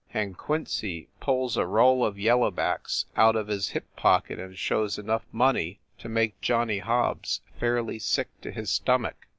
And Quincy pulls a roll of yellow backs out of his hip pocket and shows enough money to make Johnny Hobbs fairly sick to his stomach.